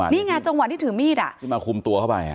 นี่ไงจังหวะที่ถือมีดที่มาคุมตัวเข้าไป